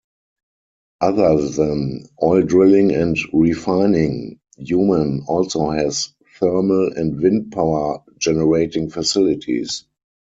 Other than oil drilling and refining, Yumen also has thermal and wind power-generating facilities.